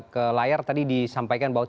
ke layar tadi disampaikan bahwa